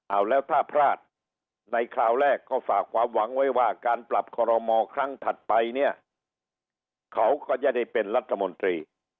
เอาแล้วถ้าพลาดในคราวแรกก็ฝากความหวังไว้ว่าการปรับคอรมอครั้งถัดไปเนี่ยเขาก็จะได้เป็นรัฐมนตรี